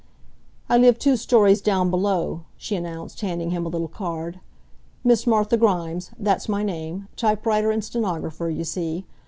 "I live two stories down below," she announced, handing him a little card. "Miss Martha Grimes that's my name typewriter and stenographer, you see.